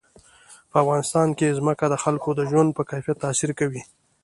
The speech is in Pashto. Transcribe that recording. په افغانستان کې ځمکه د خلکو د ژوند په کیفیت تاثیر کوي.